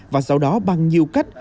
và sau đó bằng nhiều cách